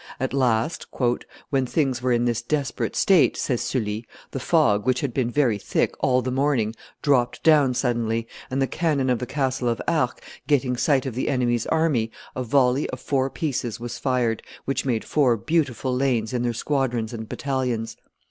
At last, "when things were in this desperate state," says Sully, "the fog, which had been very thick all the morning, dropped down suddenly, and the cannon of the castle of Arques getting sight of the enemy's army, a volley of four pieces was fired, which made four beautiful lanes in their squadrons and battalions.